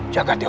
dan keamatan mu